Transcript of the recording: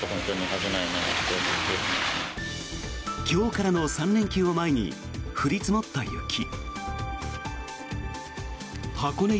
今日からの３連休を前に降り積もった雪。